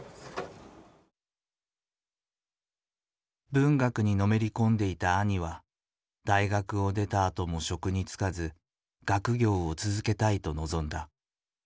文学にのめり込んでいた兄は大学を出たあとも職に就かず学業を続けたいと望んだ。